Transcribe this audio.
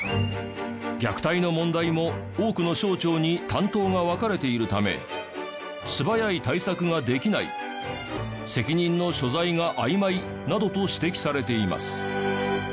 虐待の問題も多くの省庁に担当が分かれているため素早い対策ができない責任の所在があいまいなどと指摘されています。